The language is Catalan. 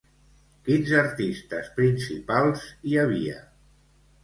Quins artistes principals hi havia?